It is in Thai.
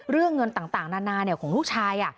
เรื่องเงินต่างนานาของลูกชาย